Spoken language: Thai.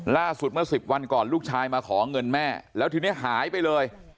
ล่าสุดเมื่อ๑๐วันก่อนลูกชายมาขอเงินแม่แล้วทีนี้หายไปเลย